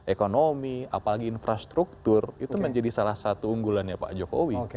ekonomi apalagi infrastruktur itu menjadi salah satu unggulannya pak jokowi